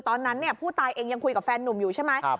ตอนนั้นผู้ตายเองยังคุยกับแฟนนุ่มอยู่ใช่ไหม